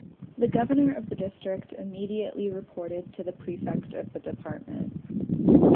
The governor of the district immediately reported to the prefect of the department.